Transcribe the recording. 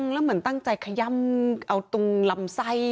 แล้วเหมือนตั้งใจขย่ำเอาตรงลำไส้